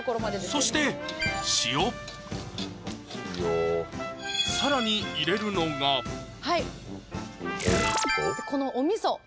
そして塩塩更に入れるのがはいこのお味噌